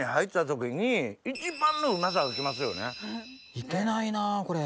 いけないなぁこれ。